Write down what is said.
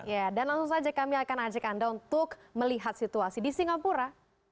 ya dan langsung saja kami akan ajak anda untuk melihat situasi di singapura